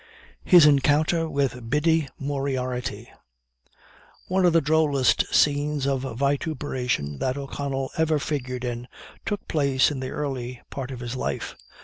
HIS ENCOUNTER WITH BIDDY MORIARTY. One of the drollest scenes of vituperation that O'Connell ever figured in took place in the early part of his life.